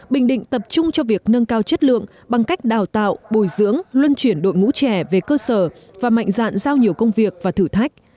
bình định tập trung cho việc nâng cao chất lượng bằng cách đào tạo bồi dưỡng luân chuyển đội ngũ trẻ về cơ sở và mạnh dạn giao nhiều công việc và thử thách